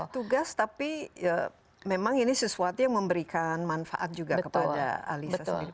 tugas tapi memang ini sesuatu yang memberikan manfaat juga kepada alisa sendiri